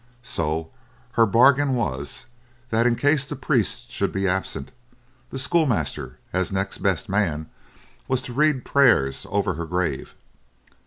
So her bargain was, that in case the priest should be absent, the schoolmaster, as next best man, was to read prayers over her grave.